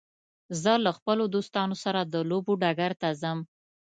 زه له خپلو دوستانو سره د لوبو ډګر ته ځم.